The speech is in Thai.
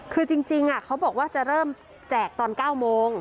คือจริงเขาบอกว่าจะเริ่มแจกตอน๙โมง